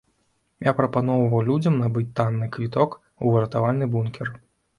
Я прапаноўваў людзям набыць танны квіток у выратавальны бункер.